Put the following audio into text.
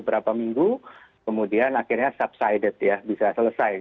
beberapa minggu kemudian akhirnya subsided ya bisa selesai